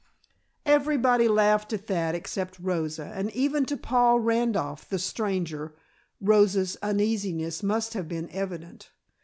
Everybody laughed at that except Rosa, and even to Paul Randolph, the stranger, Rosa's uneasiness must have been evident.